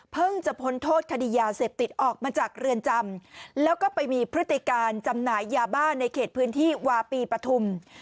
จะพ้นโทษคดียาเสพติดออกมาจากเรือนจำแล้วก็ไปมีพฤติการจำหน่ายยาบ้านในเขตพื้นที่วาปีปฐุม